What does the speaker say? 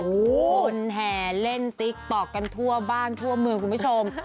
คนแห่เล่นติ๊กต๊อกกันทั่วบ้านทั่วเมืองคุณผู้ชม